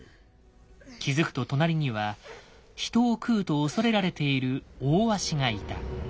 気付くと隣には人を喰うと恐れられている大鷲がいた。